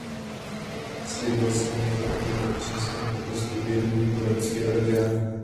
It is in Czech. Slíbil jsem, že o tomto občanském protestu uvědomím evropské orgány.